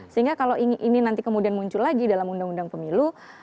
sehingga kalau ini nanti kemudian muncul lagi dalam undang undang pemilu